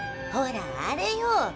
ほらあれよ。